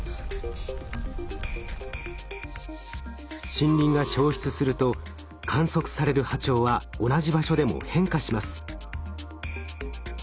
森林が焼失すると観測される波長は同じ場所でも変化します。